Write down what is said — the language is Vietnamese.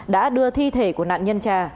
đã đưa thi thể của nạn nhân trà